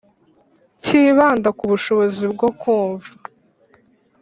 kibanda ku bushobozi bwo kumva